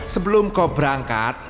sebelum kau berangkat